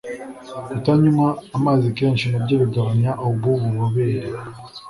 Kutanywa amazi kenshi nabyo bigabanya ubu bubobere.